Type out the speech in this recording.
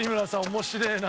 面白えな。